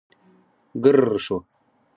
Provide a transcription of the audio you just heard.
ګررر شو.